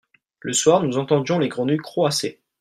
le soir nous entendions les grenouilles croasser.